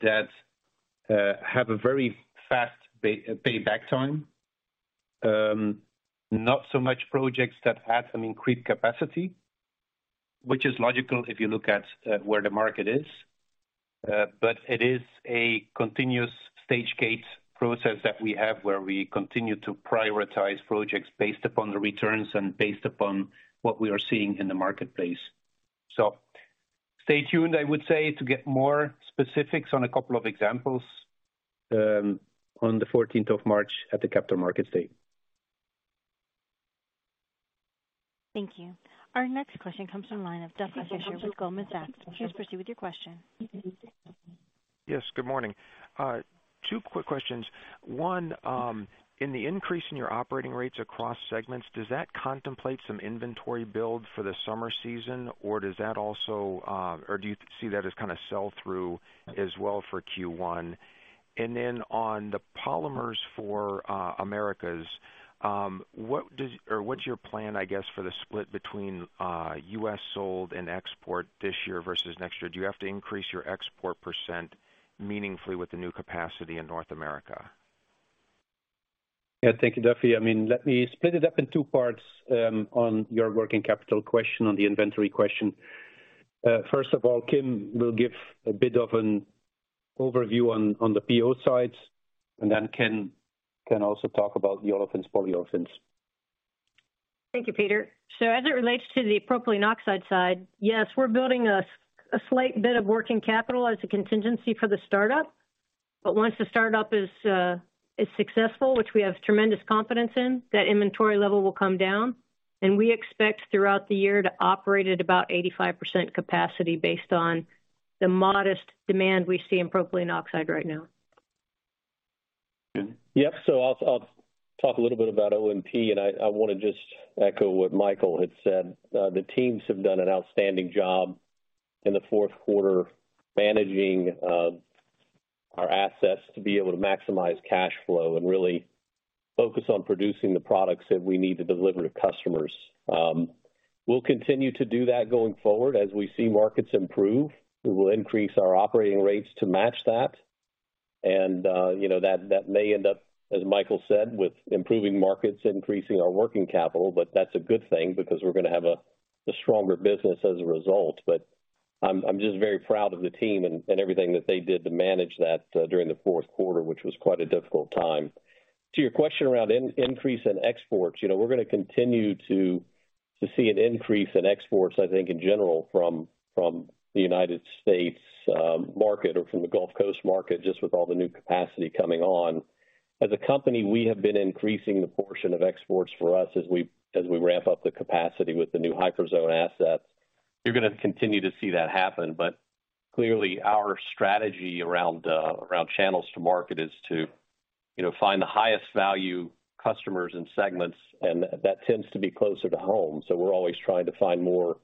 that have a very fast pay back time. Not so much projects that add some increased capacity, which is logical if you look at where the market is. It is a continuous stage gate process that we have where we continue to prioritize projects based upon the returns and based upon what we are seeing in the marketplace. Stay tuned, I would say, to get more specifics on a couple of examples on the 14th of March at the Capital Markets Day. Thank you. Our next question comes from line of Duffy Fischer with Goldman Sachs. Please proceed with your question. Yes, good morning. Two quick questions. One, in the increase in your operating rates across segments, does that contemplate some inventory build for the summer season, or does that also, or do you see that as kinda sell through as well for Q1? On the polymers for Americas, what's your plan, I guess, for the split between U.S. sold and export this year versus next year? Do you have to increase your export % meaningfully with the new capacity in North America? Yeah. Thank you, Duffy. I mean, let me split it up in two parts, on your working capital question, on the inventory question. First of all, Kim will give a bit of an overview on the PO side, and then Ken can also talk about the olefins, polyolefins. Thank you, Peter. As it relates to the propylene oxide side, yes, we're building a slight bit of working capital as a contingency for the startup. Once the startup is successful, which we have tremendous confidence in, that inventory level will come down, and we expect throughout the year to operate at about 85% capacity based on the modest demand we see in propylene oxide right now. Ken. Yep. I'll talk a little bit about OMP, and I wanna just echo what Michael had said. The teams have done an outstanding job in the fourth quarter managing our assets to be able to maximize cash flow and really focus on producing the products that we need to deliver to customers. We'll continue to do that going forward. As we see markets improve, we will increase our operating rates to match that. You know, that may end up, as Michael said, with improving markets, increasing our working capital. That's a good thing because we're gonna have a stronger business as a result. I'm just very proud of the team and everything that they did to manage that during the fourth quarter, which was quite a difficult time. To your question around increase in exports, you know, we're gonna continue to see an increase in exports, I think, in general from the United States market or from the Gulf Coast market, just with all the new capacity coming on. As a company, we have been increasing the portion of exports for us as we ramp up the capacity with the new Hyperzone assets. You're gonna continue to see that happen. Clearly our strategy around channels to market is to, you know, find the highest value customers and segments, and that tends to be closer to home. We're always trying to find more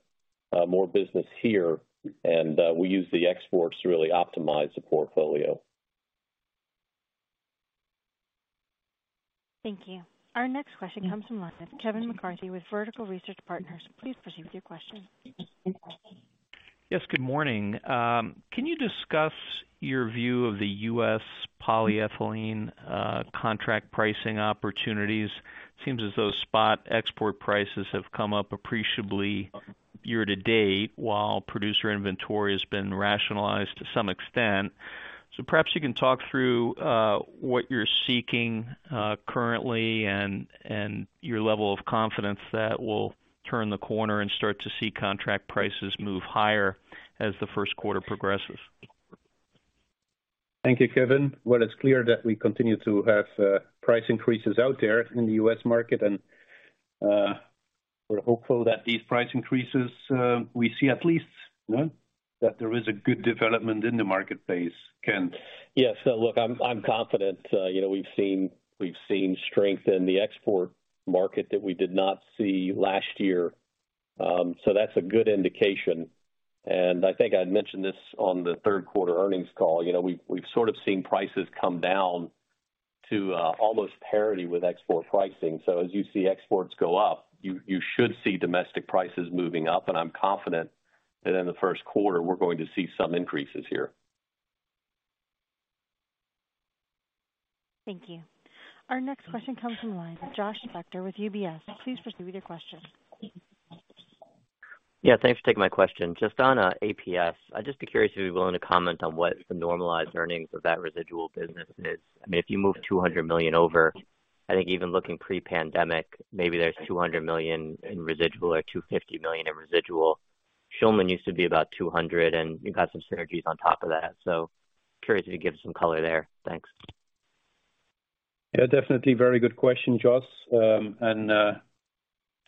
business here, and we use the exports to really optimize the portfolio. Thank you. Our next question comes from line of Kevin McCarthy with Vertical Research Partners. Please proceed with your question. Good morning. Can you discuss your view of the U.S. polyethylene contract pricing opportunities? Seems as though spot export prices have come up appreciably year-to-date, while producer inventory has been rationalized to some extent. Perhaps you can talk through what you're seeking currently and your level of confidence that will turn the corner and start to see contract prices move higher as the first quarter progresses. Thank you, Kevin. Well, it's clear that we continue to have price increases out there in the U.S. market, and we're hopeful that these price increases, we see at least, you know, that there is a good development in the marketplace. Ken? Yes. Look, I'm confident. You know, we've seen strength in the export market that we did not see last year. That's a good indication. I think I'd mentioned this on the third quarter earnings call. You know, we've sort of seen prices come down to almost parity with export pricing. As you see exports go up, you should see domestic prices moving up. I'm confident that in the first quarter we're going to see some increases here. Thank you. Our next question comes from line of Josh Spector with UBS. Please proceed with your question. Yeah, thanks for taking my question. Just on APS, I'd just be curious if you'd be willing to comment on what the normalized earnings of that residual business is. I mean, if you move $200 million over, I think even looking pre-pandemic, maybe there's $200 million in residual or $250 million in residual. Schulman used to be about $200 million, and you got some synergies on top of that. So curious if you give some color there? Thanks. Yeah, definitely. Very good question, Josh.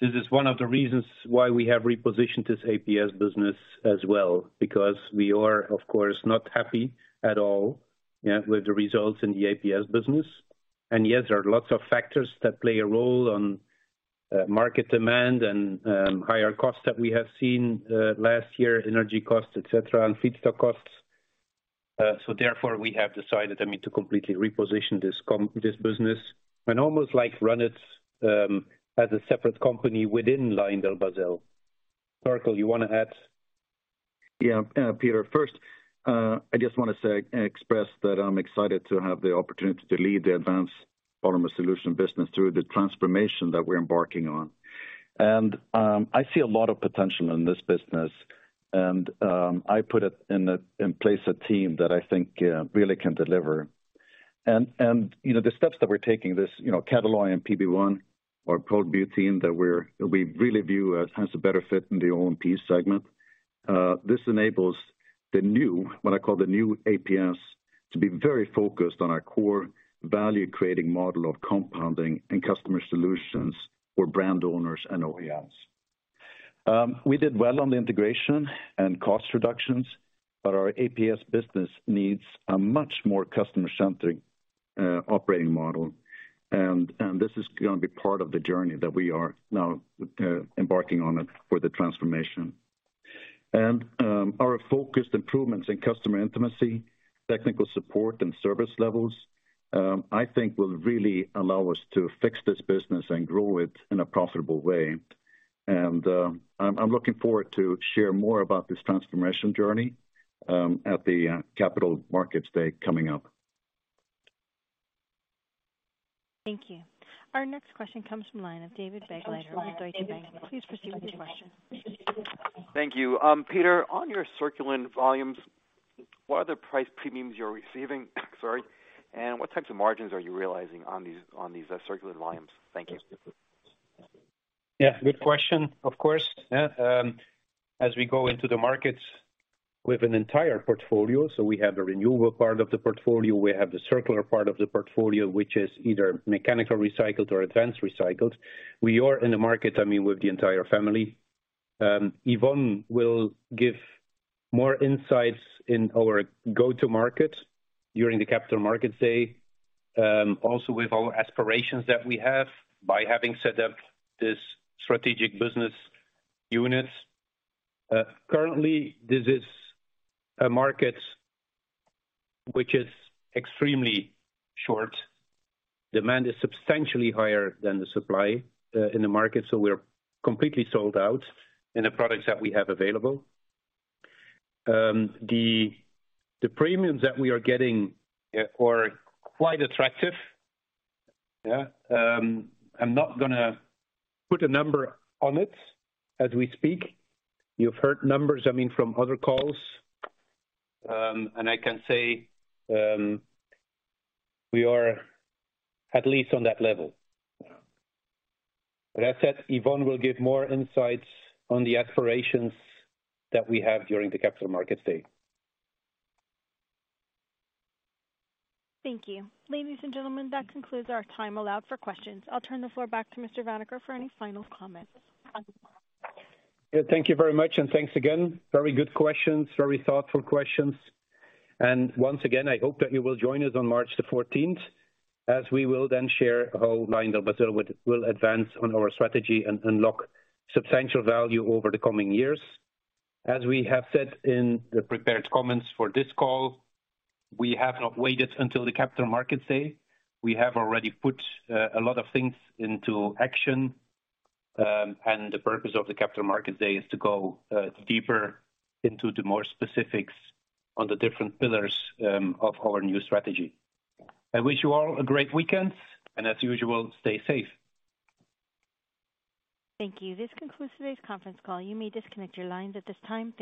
This is one of the reasons why we have repositioned this APS business as well, because we are of course not happy at all, yeah, with the results in the APS business. Yes, there are lots of factors that play a role on market demand and higher costs that we have seen last year, energy costs, et cetera, and feedstock costs. Therefore we have decided, I mean, to completely reposition this business and almost like run it as a separate company within LyondellBasell. Torkel, you wanna add? Yeah, Peter, first, I just wanna say, express that I'm excited to have the opportunity to lead the Advanced Polymer Solutions business through the transformation that we're embarking on. I see a lot of potential in this business and I put in place a team that I think really can deliver. You know, the steps that we're taking this, you know, Catalloy and PB-1 or Polybutene-1 that we really view as a better fit in the OMP segment. This enables the new, what I call the new APS to be very focused on our core value-creating model of compounding and customer solutions for brand owners and OEMs. We did well on the integration and cost reductions, but our APS business needs a much more customer-centric operating model. This is gonna be part of the journey that we are now embarking on it for the transformation. Our focused improvements in customer intimacy, technical support, and service levels, I think will really allow us to fix this business and grow it in a profitable way. I'm looking forward to share more about this transformation journey at the capital markets day coming up. Thank you. Our next question comes from line of David Begleiter with Deutsche Bank. Please proceed with your question. Thank you. Peter, on your Circulen volumes, what are the price premiums you're receiving? Sorry. What types of margins are you realizing on these Circulen volumes? Thank you. Good question. Of course. Yeah. As we go into the markets with an entire portfolio, so we have the renewable part of the portfolio, we have the circular part of the portfolio, which is either mechanically recycled or advanced recycled. We are in the market, I mean, with the entire family. Yvonne will give more insights in our go-to-market during the Capital Markets Day, also with our aspirations that we have by having set up this strategic business unit. Currently, this is a market which is extremely short. Demand is substantially higher than the supply in the market, so we're completely sold out in the products that we have available. The premiums that we are getting are quite attractive. I'm not gonna put a number on it as we speak. You've heard numbers, I mean, from other calls. I can say, we are at least on that level. As I said, Yvonne will give more insights on the aspirations that we have during the Capital Markets Day. Thank you. Ladies and gentlemen, that concludes our time allowed for questions. I'll turn the floor back to Mr. Vanacker for any final comments. Yeah, thank you very much and thanks again. Very good questions. Very thoughtful questions. Once again, I hope that you will join us on March 14th, as we will then share how LyondellBasell will advance on our strategy and unlock substantial value over the coming years. We have said in the prepared comments for this call, we have not waited until the Capital Markets Day. We have already put a lot of things into action. The purpose of the Capital Markets Day is to go deeper into the more specifics on the different pillars of our new strategy. I wish you all a great weekend, and as usual, stay safe. Thank you. This concludes today's conference call. You may disconnect your lines at this time.